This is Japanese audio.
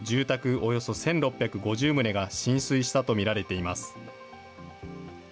およそ１６５０棟が浸水したと見られています。